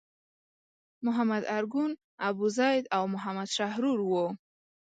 محمد ارګون، ابوزید او محمد شحرور وو.